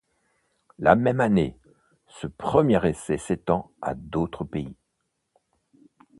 La même année, ce premier essai s'étend à d'autres pays.